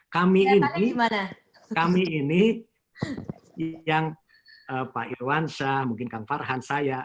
kami ini kami ini yang pak irwansyah mungkin kang farhan saya